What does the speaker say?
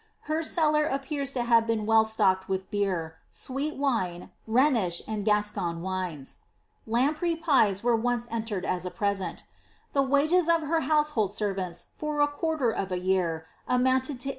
Her cellar appears to have been well stocked with beer, sweet wine, Rhenish and Gascoigne wines. Lam prey pies are once entered as a present The wages of her household servants for a quarter of a year amounted to 82